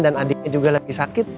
dan adiknya juga lagi sakit